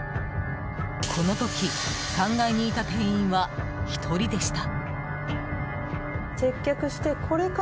この時３階にいた店員は１人でした。